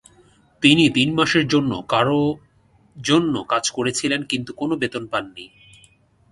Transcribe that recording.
তিনি তিন মাসের জন্য কারও জন্য কাজ করেছিলেন কিন্তু কোনও বেতন পাননি।